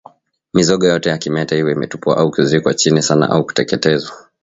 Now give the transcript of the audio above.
Mizoga yote ya kimeta iwe imetupwa au kuzikwa chini sana au kuteketezwa